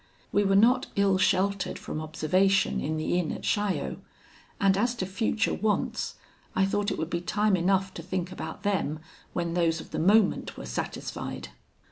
We were not ill sheltered from observation in the inn at Chaillot; and as to future wants, I thought it would be time enough to think about them when those of the moment were satisfied.